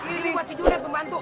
ini buat si junet pembantu